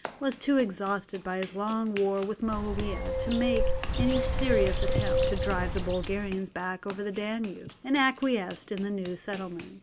was too exhausted by his long war with Moawiah to make any serious attempt to drive the Bulgarians back over the Danube, and acquiesced in the new settlement.